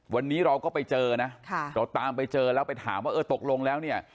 วันนี้เราก็ไปเจอนะเราตามไปเจอแล้วไปถามว่าเออตกลงแล้วเนี่ย